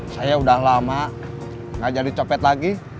saya udah lama gak jadi copet lagi